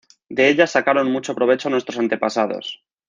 De ella sacaron mucho provecho nuestros antepasados.